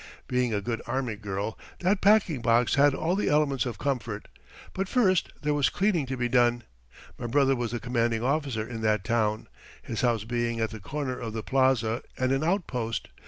Being a good army girl, that packing box had all the elements of comfort, but first there was cleaning to be done. My brother was the commanding officer in that town, his house being at the corner of the Plaza, and an outpost.